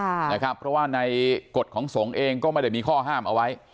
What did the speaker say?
เพราะว่าในกฎของสงฆ์เองก็ไม่ได้มีข้อห้ามเอาไว้